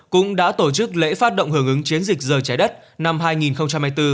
cũng đã tổ chức lễ phát động hưởng ứng chiến dịch giờ trái đất năm hai nghìn hai mươi bốn